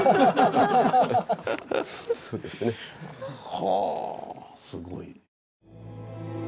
はぁすごい。